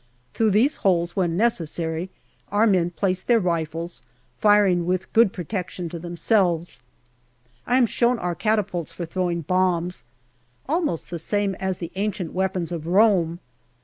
Through these holes, when necessary, our men place their rifles, firing with good protection to themselves. I am sho\vn our catapults for throwing bombs, almost the same as the ancient weapons of Rome.